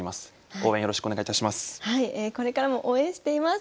応援よろしくお願いいたします。